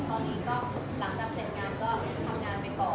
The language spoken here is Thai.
ตอนนี้ก็หลังจากเสร็จงานก็ทำงานไปก่อน